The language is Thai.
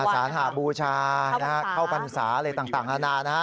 สาธาบูชาเข้าบรรษาต่างอาณานะ